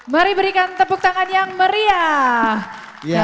mari berikan tepuk tangan yang meriah